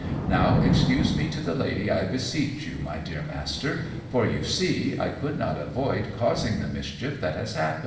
Now, excuse me to the lady I beseech you, my dear Master, for you see I could not avoid causing the mischief that has happened."